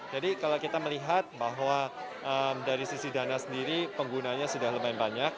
jadi kalau kita melihat bahwa dari sisi dana sendiri penggunanya sudah lumayan banyak